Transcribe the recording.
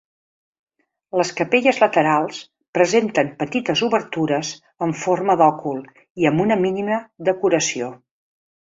Les capelles laterals presenten petites obertures en forma d'òcul i amb una mínima decoració.